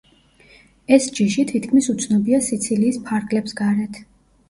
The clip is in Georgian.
ეს ჯიში თითქმის უცნობია სიცილიის ფარგლებს გარეთ.